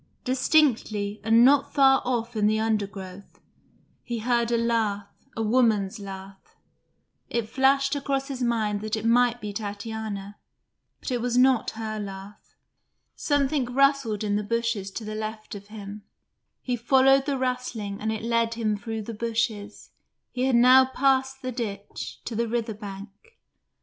Distinctly, and not far off in the undergrowth, he heard a laugh, a woman's laugh. It flashed across his mind that it might be Tatiana, but it was not her laugh. Something rustled in the bushes to the left of him; he followed the rustling and it led him through the bushes he had now passed the ditch to the river bank.